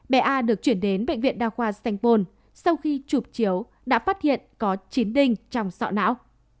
bé a được chuyển đến bệnh viện đao khoa saint paul sau khi chụp chiếu đã phát hiện có chín đinh trong sọ não